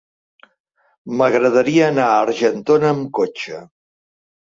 M'agradaria anar a Argentona amb cotxe.